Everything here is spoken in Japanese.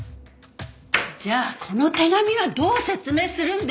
じゃあこの手紙はどう説明するんですか？